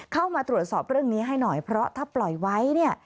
เข้ามาตรวจสอบเรื่องนี้ให้หน่อยเพราะถ้าปล่อยไว้เนี่ย